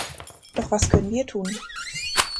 Doch was können wir tun?